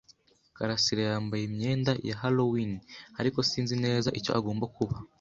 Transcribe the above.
karasira yambaye imyenda ya Halloween, ariko sinzi neza icyo agomba kuba.